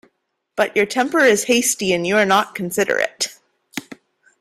But your temper is hasty and you are not considerate.